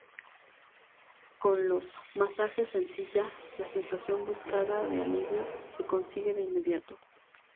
Con los "masajes en silla" la sensación buscada de alivio se consigue de inmediato.